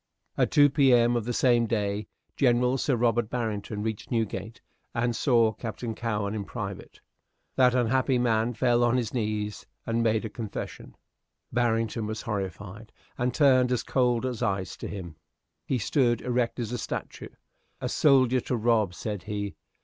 At 2 P.M. of the same day Gen. Sir Robert Barrington reached Newgate, and saw Captain Cowen in private. That unhappy man fell on his knees and made a confession. Barrington was horrified, and turned as cold as ice to him. He stood erect as a statue. "A soldier to rob!" said he.